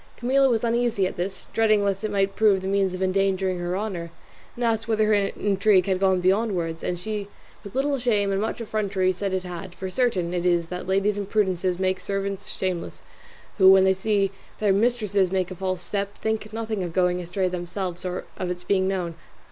Camilla was uneasy at this, dreading lest it might prove the means of endangering her honour, and asked whether her intrigue had gone beyond words, and she with little shame and much effrontery said it had; for certain it is that ladies' imprudences make servants shameless, who, when they see their mistresses make a false step, think nothing of going astray themselves, or of its being known.